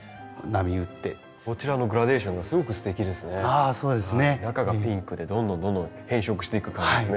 あそうですね。中がピンクでどんどんどんどん変色していく感じですね。